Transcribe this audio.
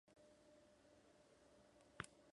Quien sabe cuantas mas historias rondan por estos lares.